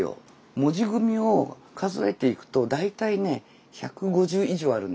「文字組み」を数えていくと大体ね１５０以上あるんです。